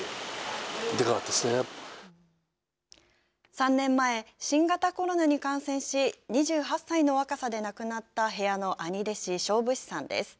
３年前、新型コロナに感染し２８歳の若さで亡くなった部屋の兄弟子勝武士さんです。